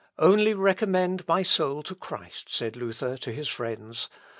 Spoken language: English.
"Only recommend my soul to Christ," said Luther to his friends.